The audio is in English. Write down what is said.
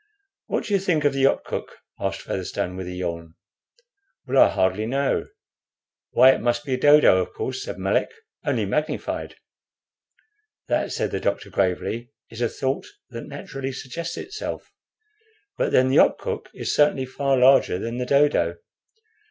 "What do you think of the opkuk?" asked Featherstone, with a yawn. "Well, I hardly know." "Why, it must be a dodo, of course," said Melick, "only magnified." "That," said the doctor, gravely, "is a thought that naturally suggests itself; but then the opkuk is certainly far larger than the dodo."